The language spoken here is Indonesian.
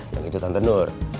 dan itu tante nur